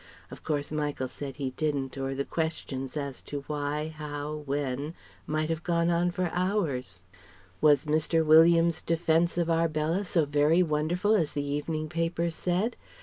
(Of course Michael said he didn't, or the questions, as to why, how, when might have gone on for hours). Was Mr. Williams's defence of Arbella so very wonderful as the evening papers said?